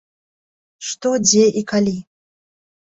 Што, дзе і калі?